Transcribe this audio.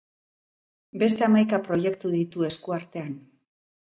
Beste hamaika proiektu ditu esku artean.